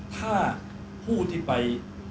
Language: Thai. ถ้าผู้ที่ไป